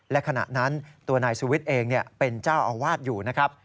และขณะนั้นตัวนายสุวิทย์เองเป็นเจ้าอาวาสอยู่นะครับ